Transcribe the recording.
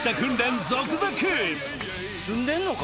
住んでんのか？